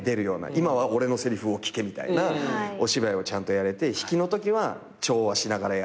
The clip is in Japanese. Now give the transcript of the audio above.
今は俺のせりふを聞けみたいなお芝居をちゃんとやれて引きのときは調和しながらやってみたいな。